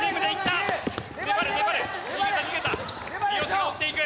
三好が追っていく。